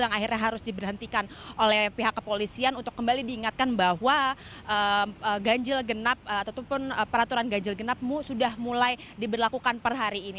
yang akhirnya harus diberhentikan oleh pihak kepolisian untuk kembali diingatkan bahwa ganjil genap ataupun peraturan ganjil genap sudah mulai diberlakukan per hari ini